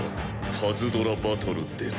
パズドラバトルでも。